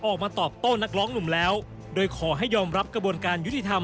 ออกมาตอบโต้นักร้องหนุ่มแล้วโดยขอให้ยอมรับกระบวนการยุติธรรม